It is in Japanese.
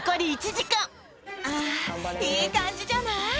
あぁいい感じじゃない？